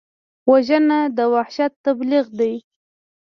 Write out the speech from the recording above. وژنه د وحشت تبلیغ دی